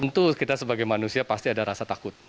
tentu kita sebagai manusia pasti ada rasa takut